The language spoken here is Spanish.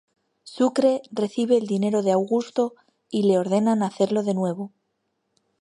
Sucre recibe el dinero de Augusto y le ordenan hacerlo de nuevo.